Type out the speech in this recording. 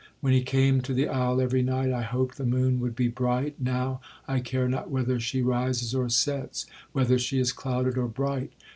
When he came to the isle every night, I hoped the moon would be bright—now I care not whether she rises or sets, whether she is clouded or bright.